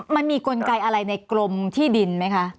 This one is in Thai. มันมีกลไกอะไรในกรมที่ดินไหมคะ